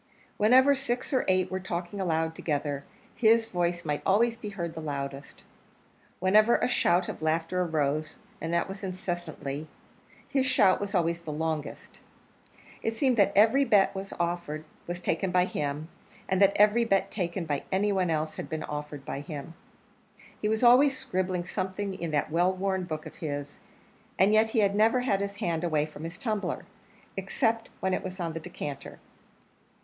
Whenever six or eight were talking aloud together, his voice might always be heard the loudest. Whenever a shout of laughter arose and that was incessantly his shout was always the longest. It seemed that every bet that was offered was taken by him, and that every bet taken by any one else had been offered by him. He was always scribbling something in that well worn book of his, and yet he never had his hand away from his tumbler except when it was on the decanter.